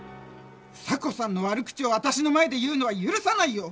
房子さんの悪口をあたしの前で言うのは許さないよ！